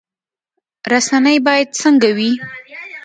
رسنۍ باید څنګه وي؟